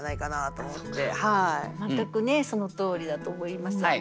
全くねそのとおりだと思います。